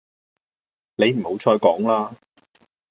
你唔好再講啦